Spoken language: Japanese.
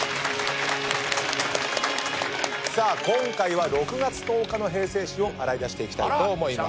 さあ今回は６月１０日の平成史を洗い出していきたいと思います。